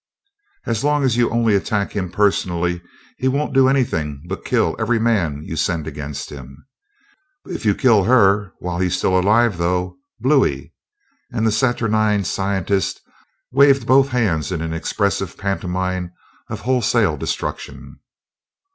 As long as you only attack him personally he won't do anything but kill every man you send against him. If you kill her while he's still alive, though Blooie!" and the saturnine scientist waved both hands in an expressive pantomime of wholesale destruction.